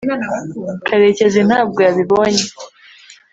karekezi ntabwo yabibonye